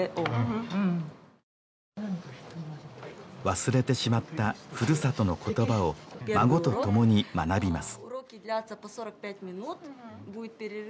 忘れてしまったふるさとの言葉を孫とともに学びます